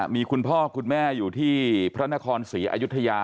มีคุณพ่อคุณแม่อยู่ที่พระนครศรีอยุธยา